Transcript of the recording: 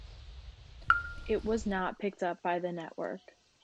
It was not picked up by the network.